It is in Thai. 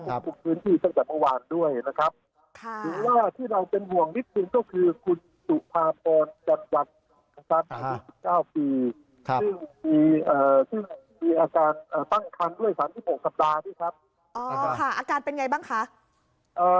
อาการเป็นไงบ้างคะ